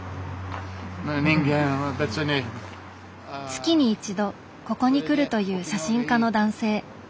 月に１度ここに来るという写真家の男性。